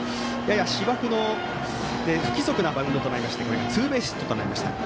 やや芝生の不規則のバウンドでこれがツーベースヒットとなりました。